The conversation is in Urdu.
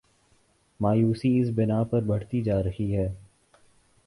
مایوسی اس بنا پہ بڑھتی جا رہی ہے۔